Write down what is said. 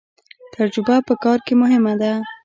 تجربه په کار کې مهمه ده